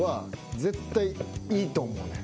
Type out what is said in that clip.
絶対いいと思うねん。